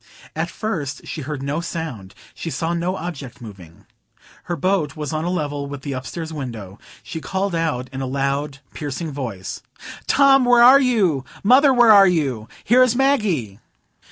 At first she heard no sound; she saw no object moving. Her boat was on a level with the upstairs window. She called out in a loud, piercing voice,— "Tom, where are you? Mother, where are you? Here is Maggie!"